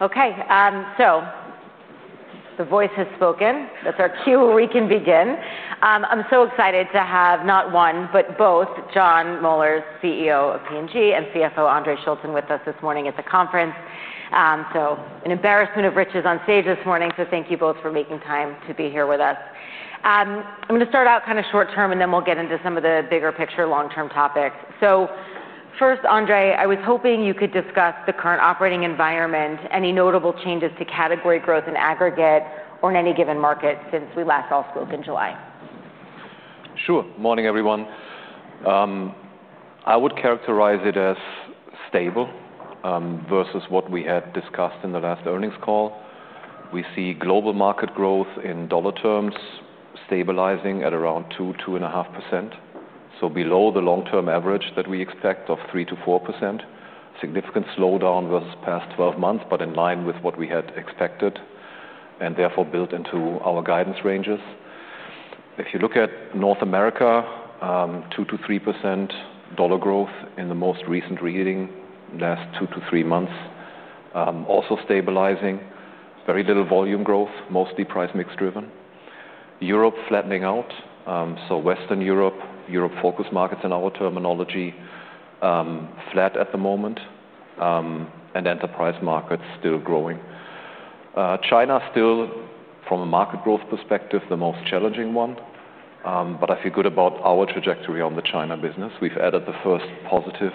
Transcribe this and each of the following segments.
Okay, so the voice has spoken. That's our cue, we can begin. I'm so excited to have not one, but both Jon Moeller, CEO of P&G, and CFO, Andre Schulten, with us this morning at the conference. So an embarrassment of riches on stage this morning, so thank you both for making time to be here with us. I'm gonna start out kind of short term, and then we'll get into some of the bigger picture long-term topics, so first, Andre, I was hoping you could discuss the current operating environment, any notable changes to category growth in aggregate or in any given market since we last all spoke in July. Sure. Morning, everyone. I would characterize it as stable versus what we had discussed in the last earnings call. We see global market growth in dollar terms stabilizing at around 2%-2.5%, so below the long-term average that we expect of 3%-4%. Significant slowdown versus the past 12 months, but in line with what we had expected, and therefore, built into our guidance ranges. If you look at North America, 2%-3% dollar growth in the most recent reading, last two to three months, also stabilizing. Very little volume growth, mostly price mix driven. Europe, flattening out, so Western Europe, Europe Focus Markets, in our terminology, flat at the moment, and Enterprise Markets still growing. China, still, from a market growth perspective, the most challenging one, but I feel good about our trajectory on the China business. We've added the first positive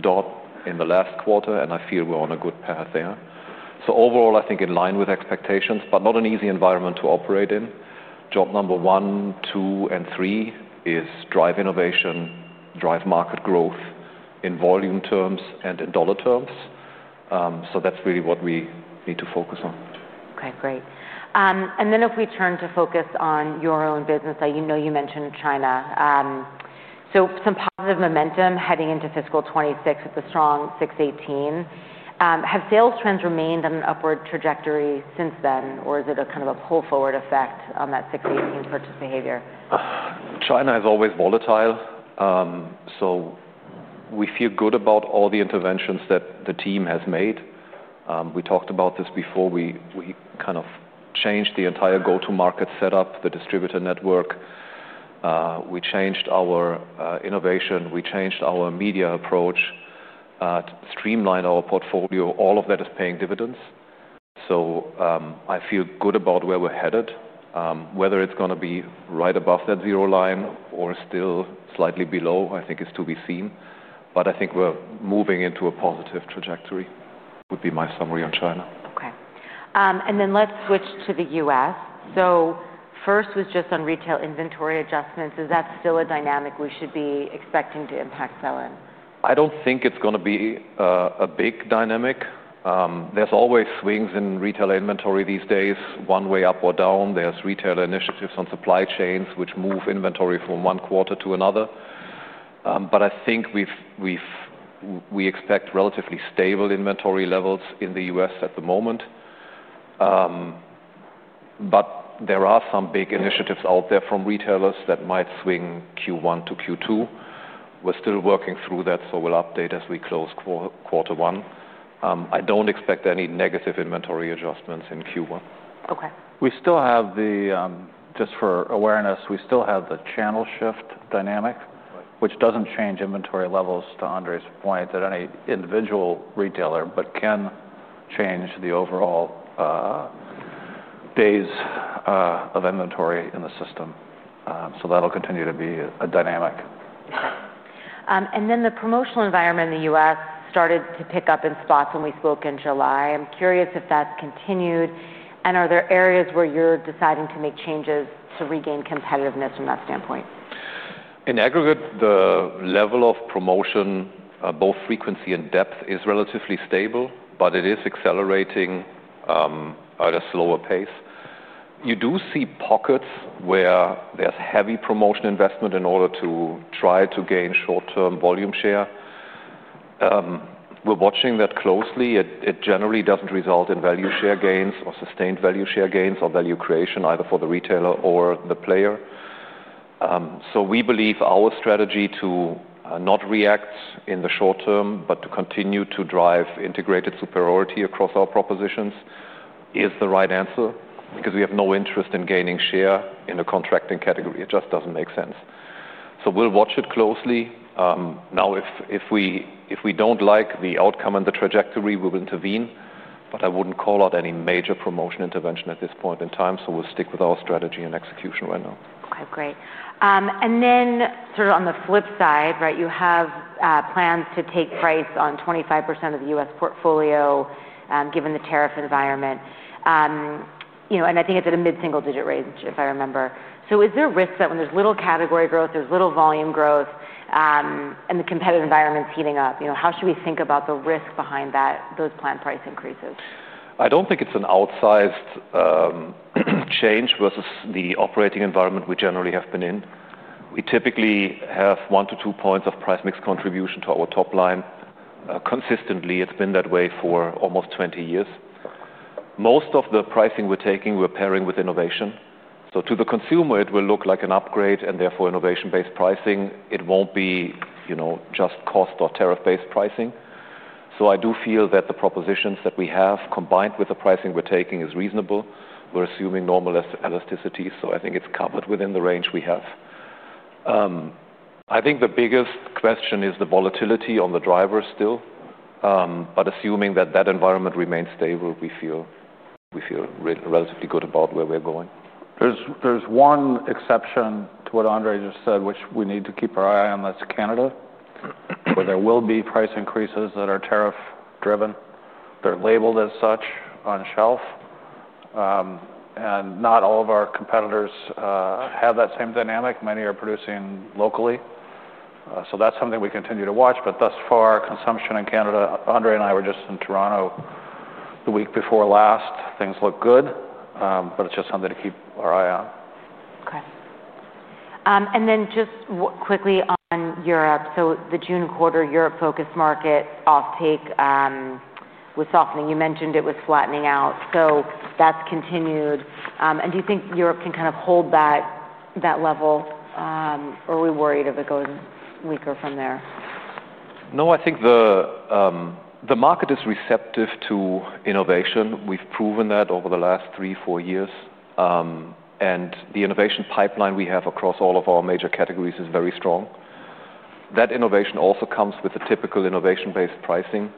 dot in the last quarter, and I feel we're on a good path there. So overall, I think in line with expectations, but not an easy environment to operate in. Job number one, two, and three is drive innovation, drive market growth in volume terms and in dollar terms, so that's really what we need to focus on. Okay, great. And then if we turn to focus on your own business, I know you mentioned China. So some positive momentum heading into fiscal 2026 with a strong 6.18. Have sales trends remained on an upward trajectory since then, or is it a kind of a pull-forward effect on that 6.18 purchase behavior? China is always volatile, so we feel good about all the interventions that the team has made. We talked about this before. We kind of changed the entire go-to-market setup, the distributor network, we changed our innovation, we changed our media approach to streamline our portfolio. All of that is paying dividends, so I feel good about where we're headed. Whether it's gonna be right above that zero line or still slightly below, I think is to be seen, but I think we're moving into a positive trajectory, would be my summary on China. Okay, and then let's switch to the U.S. So first was just on retail inventory adjustments. Is that still a dynamic we should be expecting to impact selling? I don't think it's gonna be a big dynamic. There's always swings in retail inventory these days, one way up or down. There's retail initiatives on supply chains, which move inventory from one quarter to another. But I think we expect relatively stable inventory levels in the U.S. at the moment. But there are some big initiatives out there from retailers that might swing Q1 to Q2. We're still working through that, so we'll update as we close quarter one. I don't expect any negative inventory adjustments in Q1. Okay. Just for awareness, we still have the channel shift dynamic which doesn't change inventory levels, to Andre's point, at any individual retailer, but can change the overall days of inventory in the system. So that'll continue to be a dynamic. And then the promotional environment in the U.S. started to pick up in spots when we spoke in July. I'm curious if that's continued, and are there areas where you're deciding to make changes to regain competitiveness from that standpoint? In aggregate, the level of promotion, both frequency and depth, is relatively stable, but it is accelerating at a slower pace. You do see pockets where there's heavy promotion investment in order to try to gain short-term volume share. We're watching that closely. It generally doesn't result in value share gains or sustained value share gains or value creation, either for the retailer or the player. So we believe our strategy to not react in the short term, but to continue to drive integrated superiority across our propositions, is the right answer because we have no interest in gaining share in a contracting category. It just doesn't make sense. So we'll watch it closely. Now, if we don't like the outcome and the trajectory, we'll intervene, but I wouldn't call out any major promotion intervention at this point in time, so we'll stick with our strategy and execution right now. Okay, great, and then sort of on the flip side, right, you have plans to take price on 25% of the U.S. portfolio, given the tariff environment, you know, and I think it's at a mid-single-digit range, if I remember, so is there a risk that when there's little category growth, there's little volume growth, and the competitive environment's heating up, you know, how should we think about the risk behind that, those planned price increases? I don't think it's an outsized change versus the operating environment we generally have been in. We typically have one to two points of price mix contribution to our top line. Consistently, it's been that way for almost twenty years. Most of the pricing we're taking, we're pairing with innovation. So to the consumer, it will look like an upgrade, and therefore, innovation-based pricing. It won't be, you know, just cost or tariff-based pricing. So I do feel that the propositions that we have, combined with the pricing we're taking, is reasonable. We're assuming normal elasticity, so I think it's covered within the range we have. I think the biggest question is the volatility on the driver still, but assuming that that environment remains stable, we feel relatively good about where we're going. There's one exception to what Andre just said, which we need to keep our eye on, that's Canada, where there will be price increases that are tariff-driven. They're labeled as such on shelf, and not all of our competitors have that same dynamic. Many are producing locally, so that's something we continue to watch, but thus far, consumption in Canada. Andre and I were just in Toronto the week before last. Things look good, but it's just something to keep our eye on. Okay, and then just quickly on Europe, so the June quarter, Europe-focused market offtake, was softening. You mentioned it was flattening out, so that's continued, and do you think Europe can kind of hold that level, or are we worried of it going weaker from there? No, I think the market is receptive to innovation. We've proven that over the last three, four years, and the innovation pipeline we have across all of our major categories is very strong. That innovation also comes with a typical innovation-based pricing,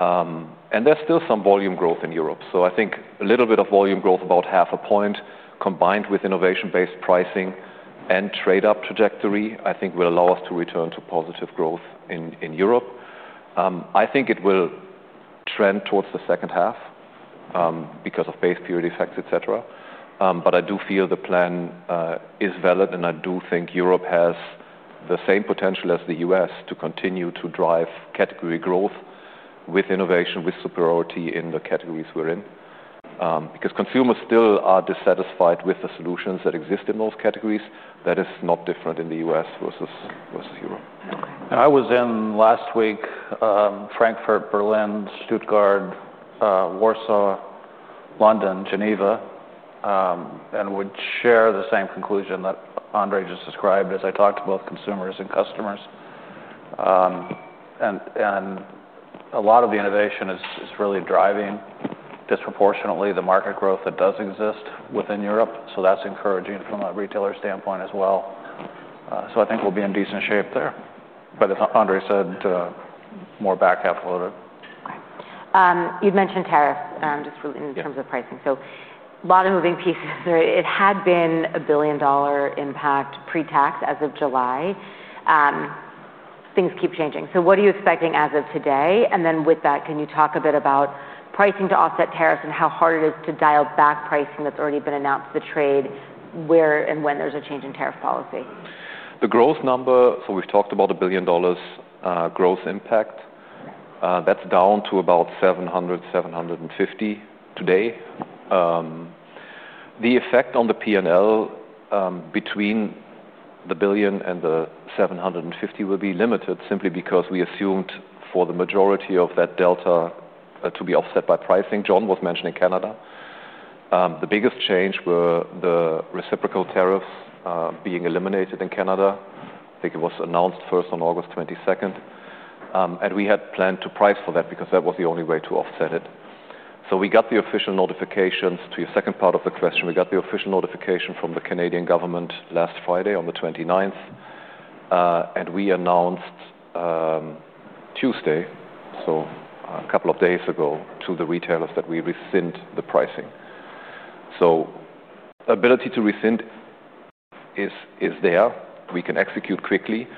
and there's still some volume growth in Europe. So I think a little bit of volume growth, about half a point, combined with innovation-based pricing and trade-up trajectory, I think, will allow us to return to positive growth in Europe. I think it will trend towards the second half, because of base period effects, et cetera, but I do feel the plan is valid, and I do think Europe has the same potential as the U.S. to continue to drive category growth with innovation, with superiority in the categories we're in because consumers still are dissatisfied with the solutions that exist in those categories, that is not different in the U.S. versus Europe. Okay. I was in, last week, Frankfurt, Berlin, Stuttgart, Warsaw, London, Geneva, and would share the same conclusion that Andre just described, as I talked to both consumers and customers. And a lot of the innovation is really driving disproportionately the market growth that does exist within Europe, so that's encouraging from a retailer standpoint as well. So I think we'll be in decent shape there. But as Andre said, more back half loaded. Okay. You've mentioned tariffs, just in terms of pricing. Yeah. So a lot of moving pieces there. It had been a $1 billion impact pre-tax as of July. Things keep changing. So what are you expecting as of today? And then, with that, can you talk a bit about pricing to offset tariffs and how hard it is to dial back pricing that's already been announced to trade, where and when there's a change in tariff policy? The growth number, so we've talked about $1 billion growth impact. Right. That's down to about $700 million-$750 million today. The effect on the P&L between the $1 billion and the $750 million will be limited simply because we assumed for the majority of that delta to be offset by pricing. John was mentioning Canada. The biggest change were the reciprocal tariffs being eliminated in Canada. I think it was announced first on August 22nd. And we had planned to price for that because that was the only way to offset it. So we got the official notifications. To your second part of the question, we got the official notification from the Canadian government last Friday on the 29th, and we announced Tuesday, so a couple of days ago, to the retailers that we rescinded the pricing. So ability to rescind is there. We can execute quickly.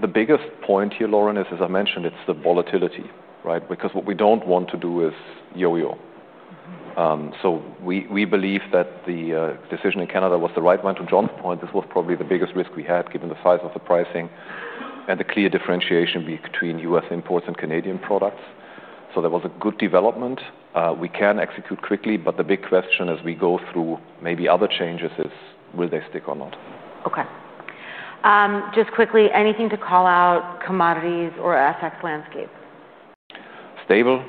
The biggest point here, Lauren, is, as I mentioned, it's the volatility, right? Because what we don't want to do is yo-yo. So we believe that the decision in Canada was the right one. To John's point, this was probably the biggest risk we had, given the size of the pricing and the clear differentiation between U.S. imports and Canadian products. So that was a good development. We can execute quickly, but the big question as we go through maybe other changes is, will they stick or not? Okay. Just quickly, anything to call out commodities or FX landscape? Stable.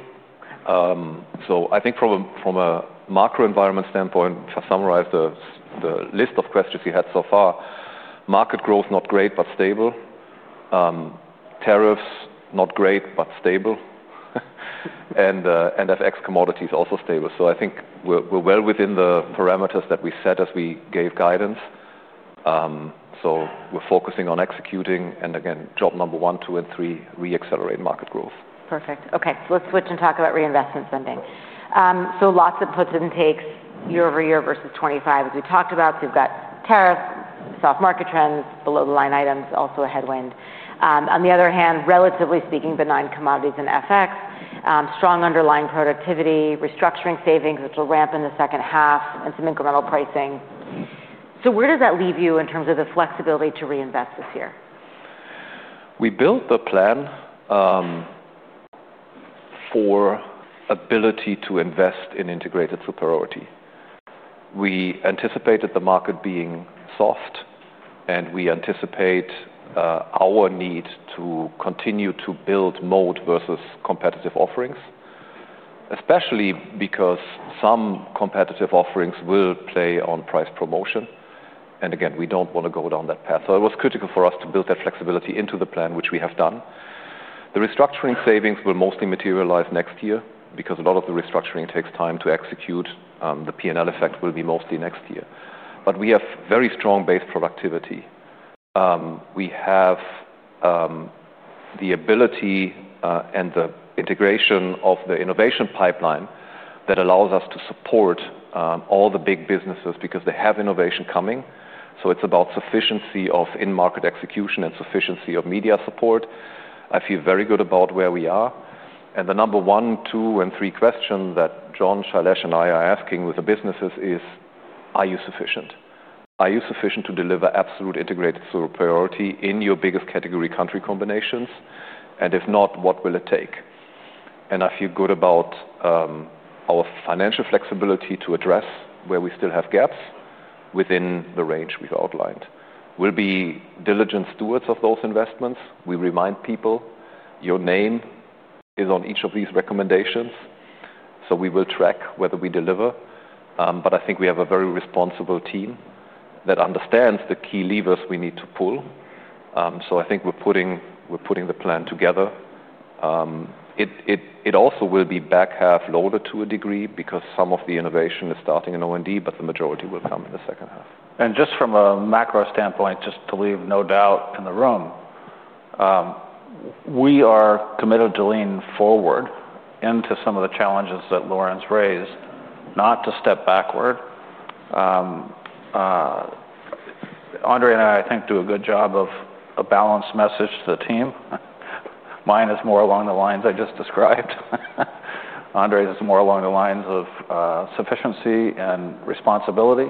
Okay. So I think from a macro environment standpoint, to summarize the list of questions you had so far, market growth, not great, but stable. Tariffs, not great, but stable, and FX commodities, also stable so I think we're well within the parameters that we set as we gave guidance, so we're focusing on executing, and again, job number one, two, and three, re-accelerate market growth. Perfect. Okay, let's switch and talk about reinvestment spending. Right. So lots of puts and takes year over year versus 2025, as we talked about. We've got tariffs, soft market trends, below-the-line items, also a headwind. On the other hand, relatively speaking, benign commodities in FX, strong underlying productivity, restructuring savings, which will ramp in the second half, and some incremental pricing. So where does that leave you in terms of the flexibility to reinvest this year? We built the plan for ability to invest in integrated superiority... We anticipated the market being soft, and we anticipate our need to continue to build moat versus competitive offerings, especially because some competitive offerings will play on price promotion, and again, we don't want to go down that path. So it was critical for us to build that flexibility into the plan, which we have done. The restructuring savings will mostly materialize next year because a lot of the restructuring takes time to execute, the P&L effect will be mostly next year. But we have very strong base productivity. We have the ability and the integration of the innovation pipeline that allows us to support all the big businesses because they have innovation coming. So it's about sufficiency of in-market execution and sufficiency of media support. I feel very good about where we are, and the number one, two, and three question that John, Shailesh, and I are asking with the businesses is, are you sufficient? Are you sufficient to deliver absolute integrated superiority in your biggest category, country combinations? And if not, what will it take? And I feel good about our financial flexibility to address where we still have gaps within the range we've outlined. We'll be diligent stewards of those investments. We remind people, your name is on each of these recommendations, so we will track whether we deliver. But I think we have a very responsible team that understands the key levers we need to pull. So I think we're putting the plan together. It also will be back half loaded to a degree because some of the innovation is starting in OND, but the majority will come in the second half. Just from a macro standpoint, just to leave no doubt in the room, we are committed to lean forward into some of the challenges that Lauren raised, not to step backward. Andre and I, I think, do a good job of a balanced message to the team. Mine is more along the lines I just described. Andre is more along the lines of sufficiency and responsibility,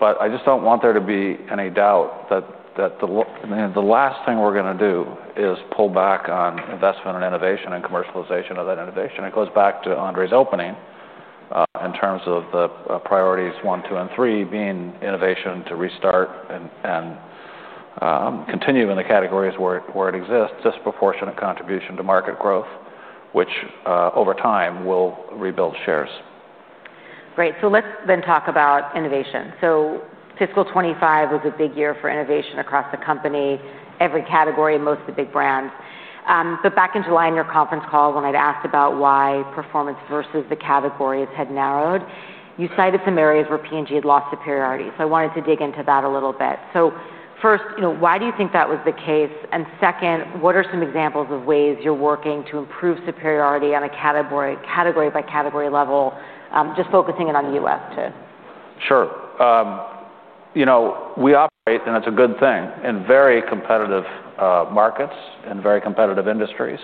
but I just don't want there to be any doubt that I mean, the last thing we're going to do is pull back on investment and innovation and commercialization of that innovation. It goes back to Andre's opening in terms of the priorities one, two, and three, being innovation to restart and continue in the categories where it exists, disproportionate contribution to market growth, which over time, will rebuild shares. Great. So let's then talk about innovation. So fiscal 2025 was a big year for innovation across the company, every category, most of the big brands. But back in July, in your conference call, when I'd asked about why performance versus the categories had narrowed, you cited some areas where P&G had lost superiority, so I wanted to dig into that a little bit. So first, you know, why do you think that was the case? And second, what are some examples of ways you're working to improve superiority on a category, category-by-category level, just focusing in on the U.S., too? Sure. You know, we operate, and it's a good thing, in very competitive markets and very competitive industries,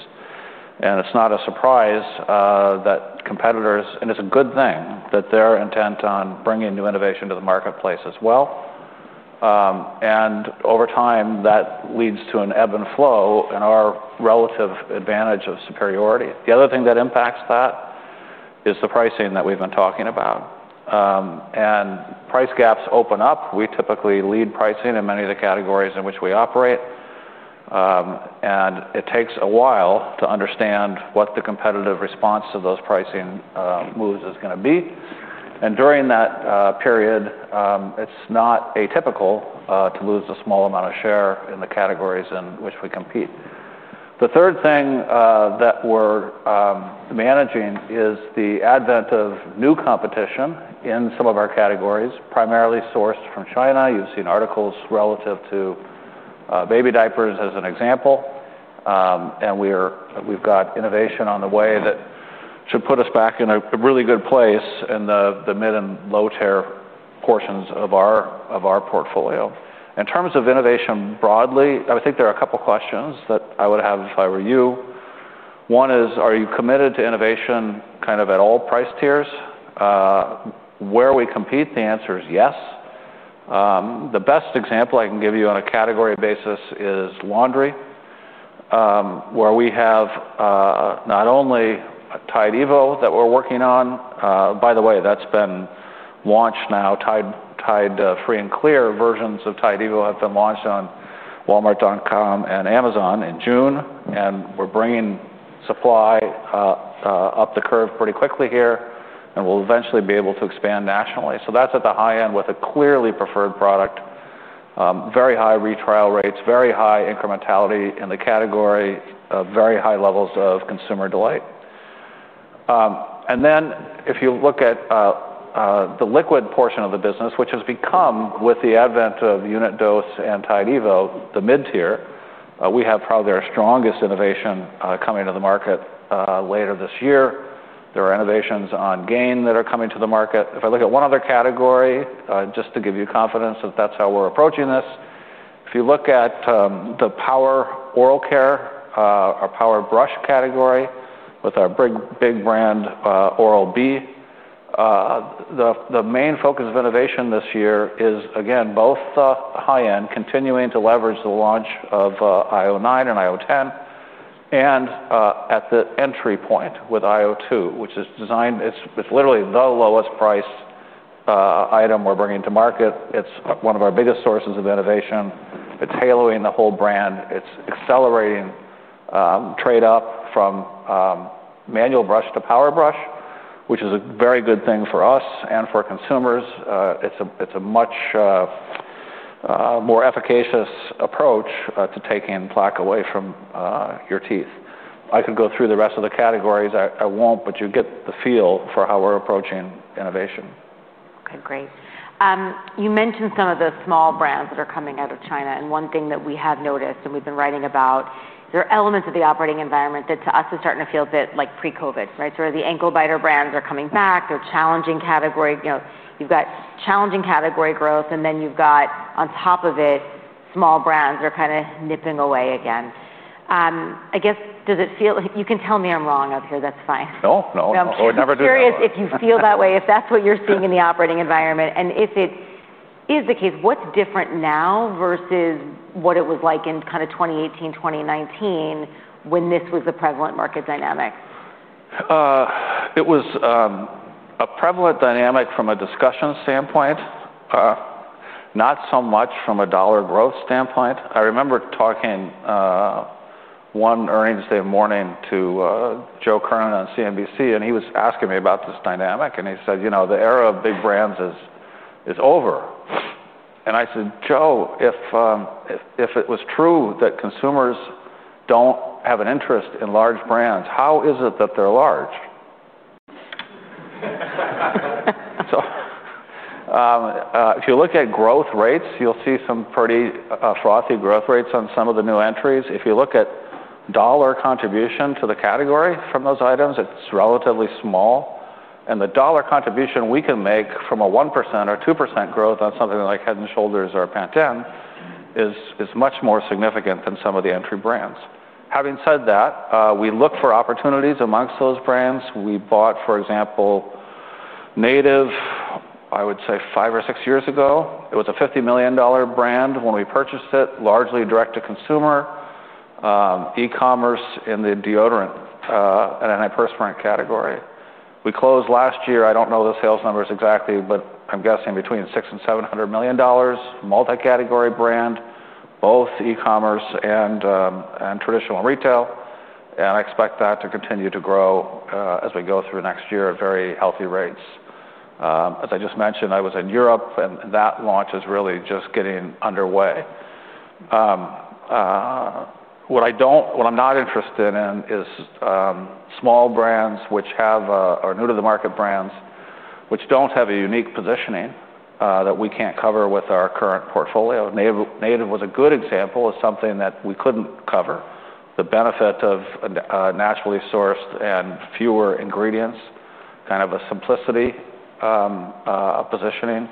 and it's not a surprise that competitors, and it's a good thing that they're intent on bringing new innovation to the marketplace as well. And over time, that leads to an ebb and flow in our relative advantage of superiority. The other thing that impacts that is the pricing that we've been talking about. And price gaps open up. We typically lead pricing in many of the categories in which we operate, and it takes a while to understand what the competitive response to those pricing moves is going to be. And during that period, it's not atypical to lose a small amount of share in the categories in which we compete. The third thing that we're managing is the advent of new competition in some of our categories, primarily sourced from China. You've seen articles relative to baby diapers as an example, and we've got innovation on the way that should put us back in a really good place in the mid and low-tier portions of our portfolio. In terms of innovation, broadly, I think there are a couple questions that I would have if I were you. One is, are you committed to innovation, kind of, at all price tiers? Where we compete, the answer is yes. The best example I can give you on a category basis is laundry, where we have not only Tide Evo that we're working on. By the way, that's been launched now, Tide Free and Clear versions of Tide Evo have been launched on Walmart.com and Amazon in June, and we're bringing supply up the curve pretty quickly here, and we'll eventually be able to expand nationally. So that's at the high end with a clearly preferred product, very high retrial rates, very high incrementality in the category, very high levels of consumer delight. And then, if you look at the liquid portion of the business, which has become, with the advent of unit dose and Tide Evo, the mid-tier, we have probably our strongest innovation coming to the market later this year. There are innovations on Gain that are coming to the market. If I look at one other category, just to give you confidence that that's how we're approaching this, if you look at the Power Oral Care, our Power Brush category, with our big, big brand, Oral-B, the main focus of innovation this year is, again, both the high end, continuing to leverage the launch of iO9 and iO10 and at the entry point with iO2, which is designed, it's literally the lowest price item we're bringing to market. It's one of our biggest sources of innovation. It's tailoring the whole brand. It's accelerating trade up from manual brush to power brush, which is a very good thing for us and for consumers. It's a much more efficacious approach to taking plaque away from your teeth. I could go through the rest of the categories. I won't, but you get the feel for how we're approaching innovation. Okay, great. You mentioned some of the small brands that are coming out of China, and one thing that we have noticed, and we've been writing about. There are elements of the operating environment that to us is starting to feel a bit like pre-COVID, right? So where the ankle-biter brands are coming back, they're challenging category. You know, you've got challenging category growth, and then you've got, on top of it, small brands that are kinda nipping away again. I guess, does it feel? You can tell me I'm wrong up here. That's fine. No, no, I would never do that, Lauren. So I'm just curious if you feel that way, if that's what you're seeing in the operating environment? And if it is the case, what's different now versus what it was like in kinda 2018, 2019, when this was the prevalent market dynamic? It was a prevalent dynamic from a discussion standpoint, not so much from a dollar growth standpoint. I remember talking one earnings day morning to Joe Kernen on CNBC, and he was asking me about this dynamic, and he said, "You know, the era of big brands is over." And I said, "Joe, if it was true that consumers don't have an interest in large brands, how is it that they're large?" So, if you look at growth rates, you'll see some pretty frothy growth rates on some of the new entries. If you look at dollar contribution to the category from those items, it's relatively small, and the dollar contribution we can make from a 1% or 2% growth on something like Head & Shoulders or Pantene is much more significant than some of the entry brands. Having said that, we look for opportunities amongst those brands. We bought, for example, Native, I would say, five or six years ago. It was a $50 million brand when we purchased it, largely direct to consumer, e-commerce in the deodorant and antiperspirant category. We closed last year, I don't know the sales numbers exactly, but I'm guessing between $600 million and $700 million, multi-category brand, both e-commerce and traditional retail, and I expect that to continue to grow as we go through next year at very healthy rates. As I just mentioned, I was in Europe, and that launch is really just getting underway. What I'm not interested in is small brands which are new-to-the-market brands, which don't have a unique positioning that we can't cover with our current portfolio. Native was a good example of something that we couldn't cover. The benefit of naturally sourced and fewer ingredients, kind of a simplicity positioning,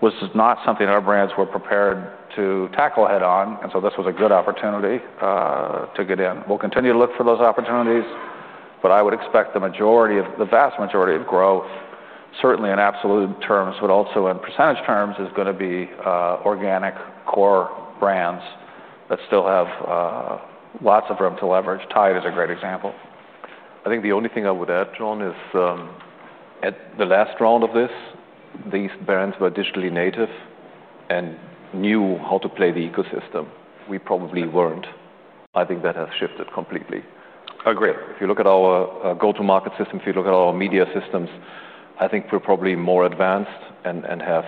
was not something our brands were prepared to tackle head-on, and so this was a good opportunity to get in. We'll continue to look for those opportunities, but I would expect the majority, the vast majority of growth, certainly in absolute terms, but also in percentage terms, is gonna be organic core brands that still have lots of room to leverage. Tide is a great example. I think the only thing I would add, John, is, at the last round of this, these brands were digitally native and knew how to play the ecosystem. We probably weren't. I think that has shifted completely. Agree. If you look at our go-to-market system, if you look at our media systems, I think we're probably more advanced and, and have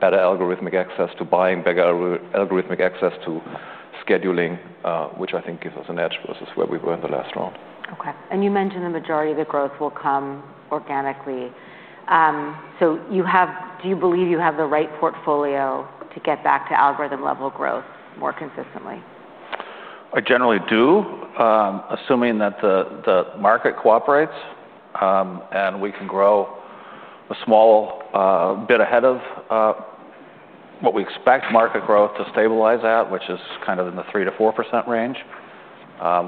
better algorithmic access to buying, better algorithmic access to scheduling, which I think gives us an edge versus where we were in the last round. Okay, and you mentioned the majority of the growth will come organically. So do you believe you have the right portfolio to get back to algorithm-level growth more consistently? I generally do, assuming that the market cooperates, and we can grow a small bit ahead of what we expect market growth to stabilize at, which is kind of in the 3%-4% range.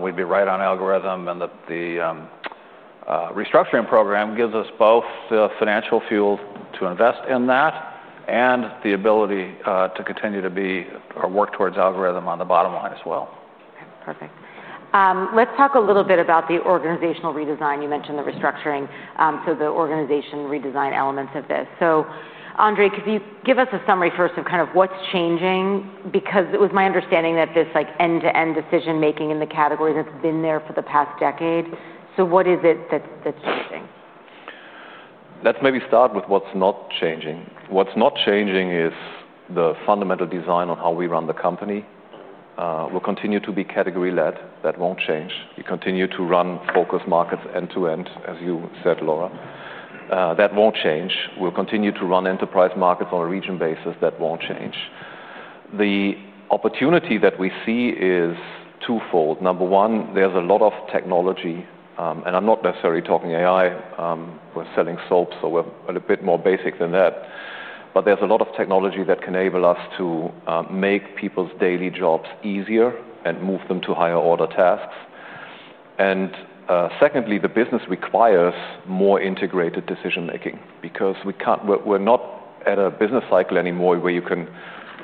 We'd be right on algorithm, and the restructuring program gives us both the financial fuel to invest in that and the ability to continue to be, or work towards algorithm on the bottom line as well. Okay, perfect. Let's talk a little bit about the organizational redesign. You mentioned the restructuring, so the organization redesign elements of this. So, Andre, could you give us a summary first of kind of what's changing? Because it was my understanding that this, like, end-to-end decision-making in the category that's been there for the past decade, so what is it that's changing? Let's maybe start with what's not changing. What's not changing is the fundamental design on how we run the company. We'll continue to be category-led. That won't change. We continue to run Focus Markets end to end, as you said, Laura. That won't change. We'll continue to run Enterprise Markets on a region basis. That won't change. The opportunity that we see is twofold. Number one, there's a lot of technology, and I'm not necessarily talking AI. We're selling soap, so we're a little bit more basic than that, but there's a lot of technology that can enable us to make people's daily jobs easier and move them to higher-order tasks.... Secondly, the business requires more integrated decision-making because we can't. We're not at a business cycle anymore where you can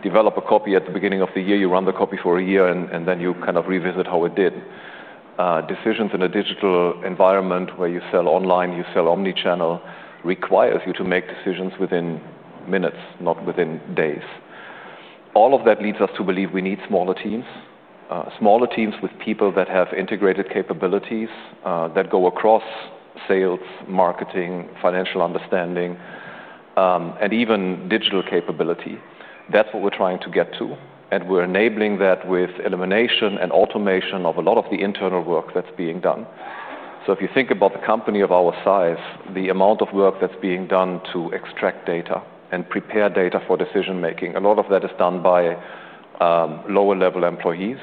develop a copy at the beginning of the year, you run the copy for a year, and then you kind of revisit how it did. Decisions in a digital environment where you sell online, you sell omni-channel, requires you to make decisions within minutes, not within days. All of that leads us to believe we need smaller teams, smaller teams with people that have integrated capabilities, that go across sales, marketing, financial understanding, and even digital capability. That's what we're trying to get to, and we're enabling that with elimination and automation of a lot of the internal work that's being done. So if you think about the company of our size, the amount of work that's being done to extract data and prepare data for decision-making, a lot of that is done by lower-level employees.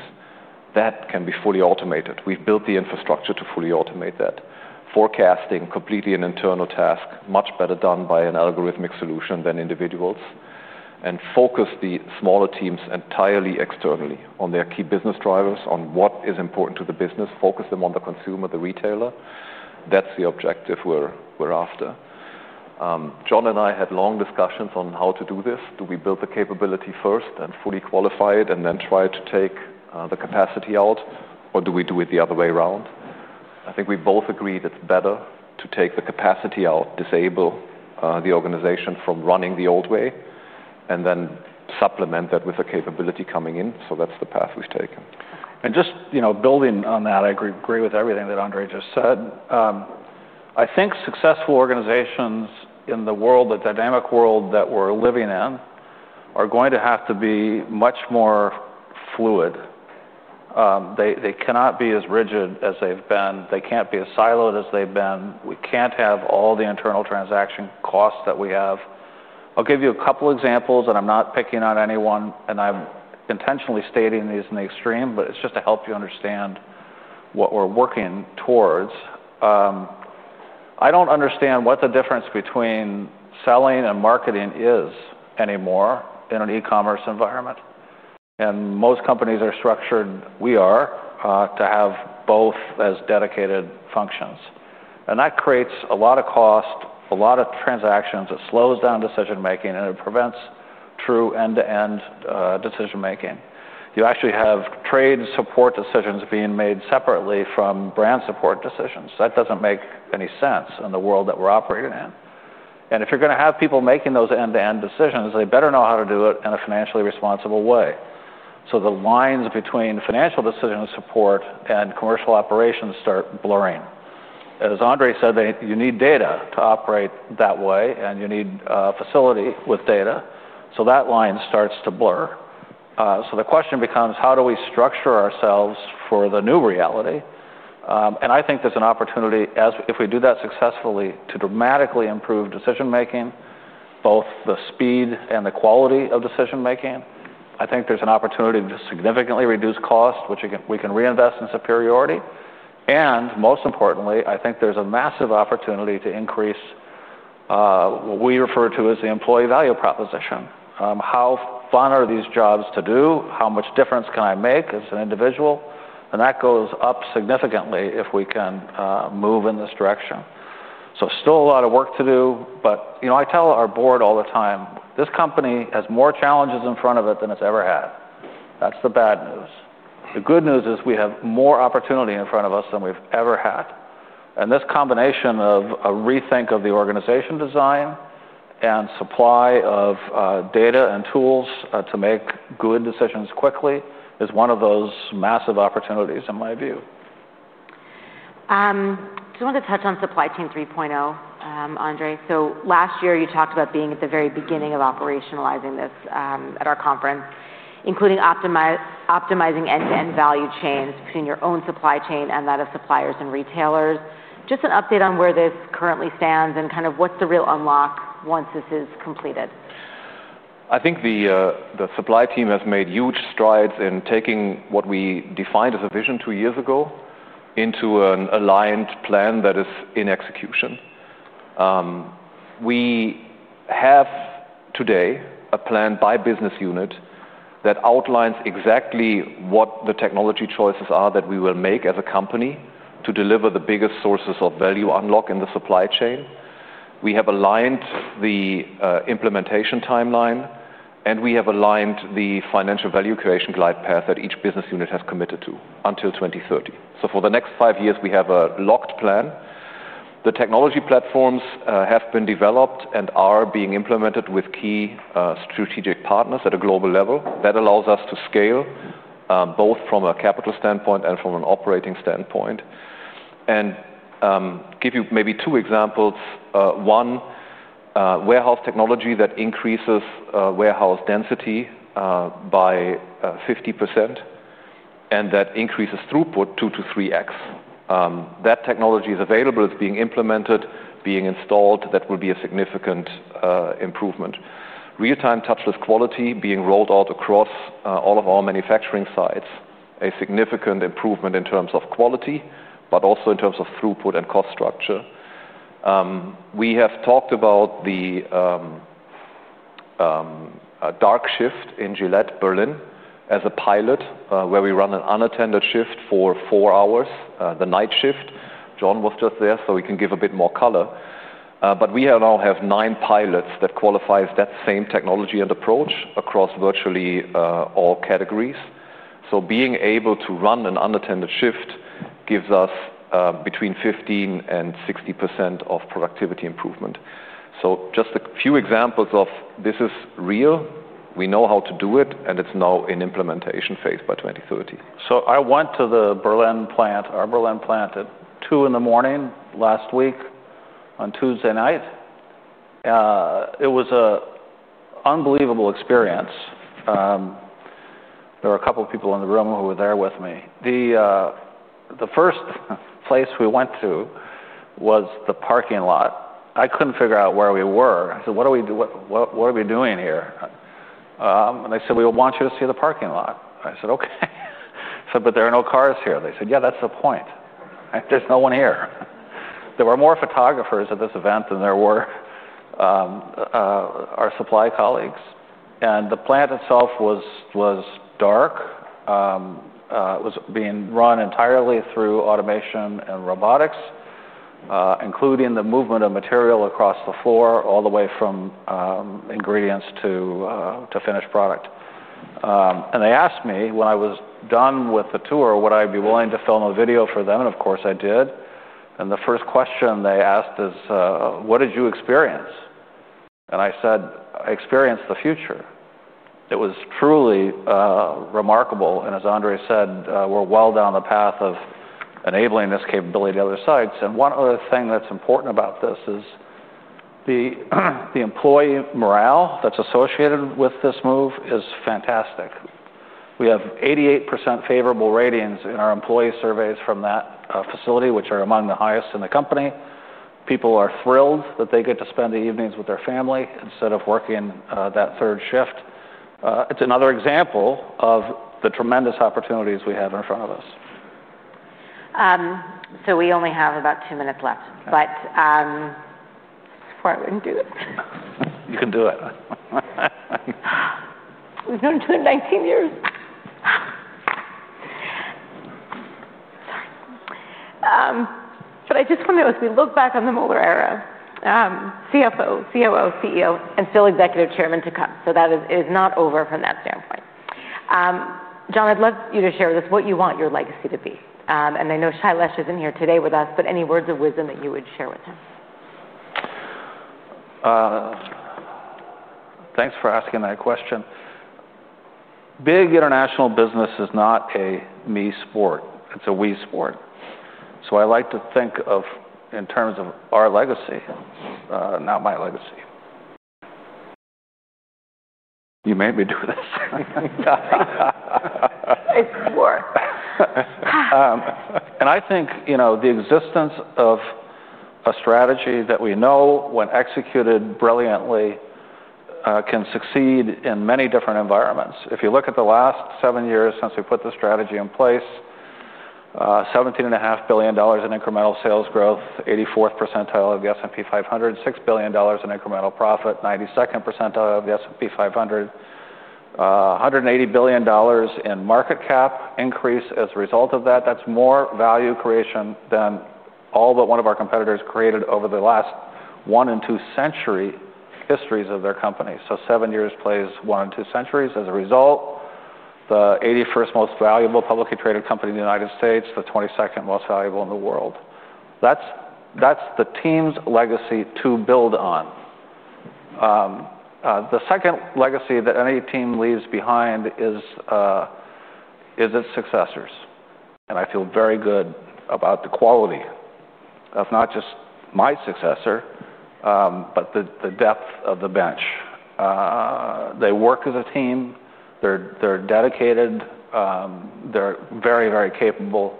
That can be fully automated. We've built the infrastructure to fully automate that. Forecasting, completely an internal task, much better done by an algorithmic solution than individuals. And focus the smaller teams entirely externally on their key business drivers, on what is important to the business, focus them on the consumer, the retailer. That's the objective we're after. John and I had long discussions on how to do this. Do we build the capability first and fully qualify it, and then try to take the capacity out, or do we do it the other way around? I think we both agreed it's better to take the capacity out, disable, the organization from running the old way, and then supplement that with the capability coming in. So that's the path we've taken. And just, you know, building on that, I agree, agree with everything that Andre just said. I think successful organizations in the world, the dynamic world that we're living in, are going to have to be much more fluid. They, they cannot be as rigid as they've been. They can't be as siloed as they've been. We can't have all the internal transaction costs that we have. I'll give you a couple examples, and I'm not picking on anyone, and I'm intentionally stating these in the extreme, but it's just to help you understand what we're working towards. I don't understand what the difference between selling and marketing is anymore in an e-commerce environment, and most companies are structured, we are, to have both as dedicated functions. And that creates a lot of cost, a lot of transactions, it slows down decision-making, and it prevents true end-to-end, decision-making. You actually have trade support decisions being made separately from brand support decisions. That doesn't make any sense in the world that we're operating in. And if you're gonna have people making those end-to-end decisions, they better know how to do it in a financially responsible way. So the lines between financial decision support and commercial operations start blurring. As Andre said, you need data to operate that way, and you need, facility with data, so that line starts to blur. So the question becomes: How do we structure ourselves for the new reality? And I think there's an opportunity, as if we do that successfully, to dramatically improve decision-making, both the speed and the quality of decision-making. I think there's an opportunity to significantly reduce cost, which again, we can reinvest in superiority. And most importantly, I think there's a massive opportunity to increase what we refer to as the employee value proposition. How fun are these jobs to do? How much difference can I make as an individual? And that goes up significantly if we can move in this direction. So still a lot of work to do, but you know, I tell our board all the time, "This company has more challenges in front of it than it's ever had. That's the bad news. The good news is we have more opportunity in front of us than we've ever had." And this combination of a rethink of the organization design and supply of data and tools to make good decisions quickly is one of those massive opportunities, in my view. So I want to touch on Supply Chain 3.0, Andre. So last year, you talked about being at the very beginning of operationalizing this at our conference, including optimizing end-to-end value chains between your own supply chain and that of suppliers and retailers. Just an update on where this currently stands and kind of what's the real unlock once this is completed. I think the supply team has made huge strides in taking what we defined as a vision two years ago into an aligned plan that is in execution. We have today a plan by business unit that outlines exactly what the technology choices are that we will make as a company to deliver the biggest sources of value unlock in the supply chain. We have aligned the implementation timeline, and we have aligned the financial value creation glide path that each business unit has committed to until 2030. So for the next five years, we have a locked plan. The technology platforms have been developed and are being implemented with key strategic partners at a global level. That allows us to scale both from a capital standpoint and from an operating standpoint. And give you maybe two examples. One warehouse technology that increases warehouse density by 50%, and that increases throughput 2x-3x That technology is available. It's being implemented, being installed. That will be a significant improvement. Real-time touchless quality being rolled out across all of our manufacturing sites, a significant improvement in terms of quality, but also in terms of throughput and cost structure. We have talked about a dark shift in Gillette, Berlin as a pilot, where we run an unattended shift for four hours, the night shift. John was just there, so he can give a bit more color. But we now have nine pilots that qualifies that same technology and approach across virtually all categories. So being able to run a dark shift gives us between 15% and 60% of productivity improvement. So just a few examples of this is real, we know how to do it, and it's now in implementation phase by 2030. So I went to the Berlin plant, our Berlin plant, at two in the morning last week, on Tuesday night. It was an unbelievable experience. There were a couple of people in the room who were there with me. The first place we went to was the parking lot. I couldn't figure out where we were. I said: "What are we doing here?" And they said, "We want you to see the parking lot." I said, "Okay." I said, "But there are no cars here." They said, "Yeah, that's the point. There's no one here." There were more photographers at this event than there were our supply colleagues, and the plant itself was dark. It was being run entirely through automation and robotics, including the movement of material across the floor, all the way from ingredients to finished product. They asked me when I was done with the tour, would I be willing to film a video for them, and of course I did. The first question they asked is: "What did you experience?" And I said, "I experienced the future." It was truly remarkable, and as Andre said, we're well down the path of enabling this capability to other sites. One other thing that's important about this is the employee morale that's associated with this move is fantastic. We have 88% favorable ratings in our employee surveys from that facility, which are among the highest in the company. People are thrilled that they get to spend the evenings with their family instead of working, that third shift. It's another example of the tremendous opportunities we have in front of us. So we only have about two minutes left. Okay. But, I probably wouldn't do it. You can do it. We've known each other 19 years. Sorry, but I just wonder, as we look back on the Moeller era, CFO, COO, CEO, and still executive chairman to come, so that is, it is not over from that standpoint. John, I'd love you to share with us what you want your legacy to be, and I know Shailesh is in here today with us, but any words of wisdom that you would share with him? Thanks for asking that question. Big international business is not a me sport, it's a we sport. So I like to think of in terms of our legacy, not my legacy. You made me do this. It's work. And I think, you know, the existence of a strategy that we know when executed brilliantly, can succeed in many different environments. If you look at the last seven years since we put the strategy in place, $17.5 billion in incremental sales growth, 84th percentile of the S&P 500, $6 billion in incremental profit, 92nd percentile of the S&P 500. $180 billion in market cap increase as a result of that. That's more value creation than all but one of our competitors created over the last one- and two-century histories of their company. So seven years plays one and two centuries. As a result, the 81st most valuable publicly traded company in the United States, the 22nd most valuable in the world. That's the team's legacy to build on. The second legacy that any team leaves behind is its successors, and I feel very good about the quality of not just my successor, but the depth of the bench. They work as a team, they're dedicated, they're very, very capable.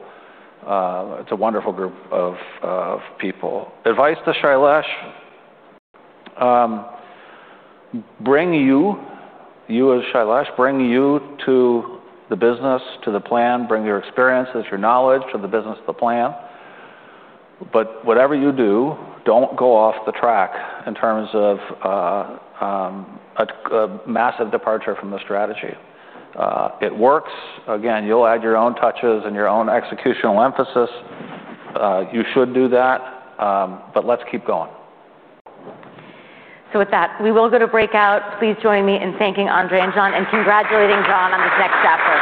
It's a wonderful group of people. Advice to Shailesh, bring you as Shailesh, bring you to the business, to the plan. Bring your experiences, your knowledge to the business, the plan. But whatever you do, don't go off the track in terms of a massive departure from the strategy. It works. Again, you'll add your own touches and your own executional emphasis. You should do that, but let's keep going. So with that, we will go to breakout. Please join me in thanking Andre and John, and congratulating John on this next chapter.